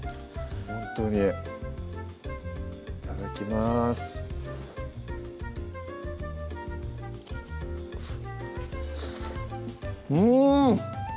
ほんとにいただきますうん！